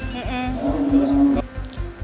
cuma kalau di pasar sudah naik ya